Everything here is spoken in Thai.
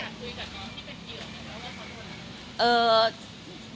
แล้วคุยกับน้องที่เป็นเหยื่อแล้วว่าเขาเป็นคนอะไร